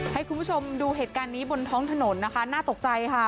ให้คุณผู้ชมดูเหตุการณ์นี้บนท้องถนนนะคะน่าตกใจค่ะ